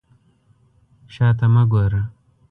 شا ته مه ګوره.